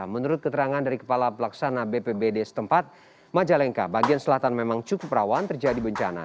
menurut keterangan dari kepala pelaksana bpbd setempat majalengka bagian selatan memang cukup rawan terjadi bencana